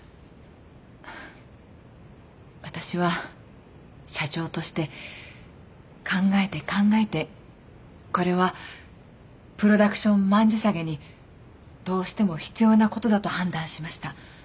私は社長として考えて考えてこれはプロダクション曼珠沙華にどうしても必要なことだと判断しました。